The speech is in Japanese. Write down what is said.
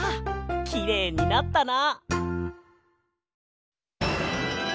きれいになったな！